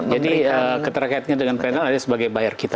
jadi keterkaitannya dengan pln adalah sebagai buyer kita